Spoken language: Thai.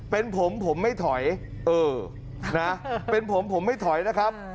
เป็นผมผมไม่ถอยเออนะเป็นผมผมไม่ถอยนะครับ